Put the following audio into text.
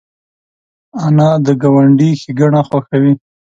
انا د ګاونډي ښېګڼه خوښوي